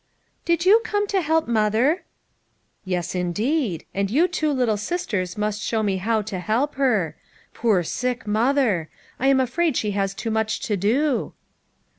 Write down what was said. "Did you come home to help mother?" "Yes, indeed. And you two little sisters must show me how to help her ; poor sick mother ! I am afraid she has too much to do."